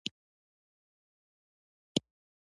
ښه نیت د سولې سبب ګرځي.